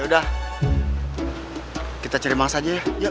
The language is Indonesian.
yaudah kita cari mas aja ya